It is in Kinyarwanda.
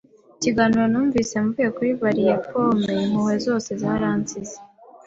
ikiganiro numvise mvuye kuri barri ya pome, impuhwe zose zaransize.